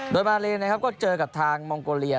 โดยมาเลนะครับก็เจอกับทางมองโกเลีย